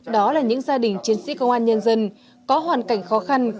đó là những gia đình chiến sĩ công an nhân dân có hoàn cảnh khó khăn